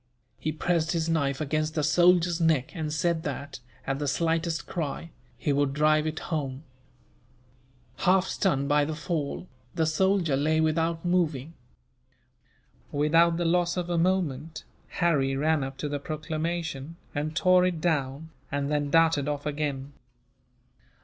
He pressed his knife against the soldier's neck and said that, at the slightest cry, he would drive it home. Half stunned by the fall, the soldier lay without moving. [Illustration: Harry ran up to the proclamation and tore it down.] Without the loss of a moment, Harry ran up to the proclamation and tore it down, and then darted off again.